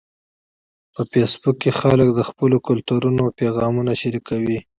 په فېسبوک کې خلک د خپلو کلتورونو پیغامونه شریکوي